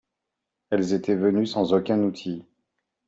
Elles étaient venus sans aucun outil.